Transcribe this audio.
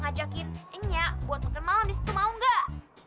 tadi tante merry tuh ngajakin nya buat makan malem disitu mau ga